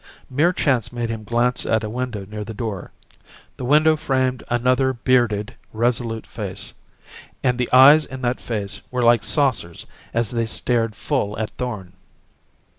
Mere chance made him glance at a window near the door. This window framed another bearded, resolute face. And the eyes in that face were like saucers as they stared full at Thorn!